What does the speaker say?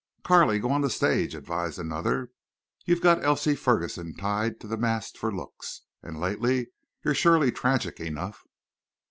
"Carley, go on the stage," advised another. "You've got Elsie Ferguson tied to the mast for looks. And lately you're surely tragic enough."